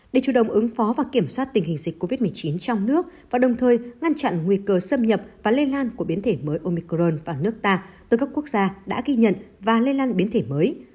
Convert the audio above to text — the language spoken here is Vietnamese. để chủ động ứng phó và kiểm soát tình hình dịch covid một mươi chín trong nước và đồng thời ngăn chặn nguy cơ xâm nhập và lây lan của biến thể mới omicron vào nước ta từ các quốc gia đã ghi nhận và lây lan biến thể mới